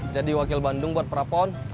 jadi wakil bandung buat prapon